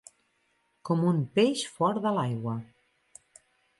Com un peix fora de l'aigua.